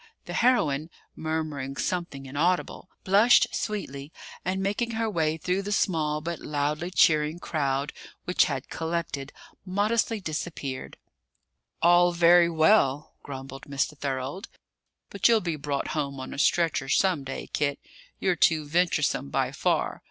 The heroine, murmuring something inaudible, blushed sweetly and, making her way through the small but loudly cheering crowd which had collected, modestly disappeared.'" "All very well," grumbled Mr. Thorold; "but you'll be brought home on a stretcher some day, Kit. You're too venturesome by far.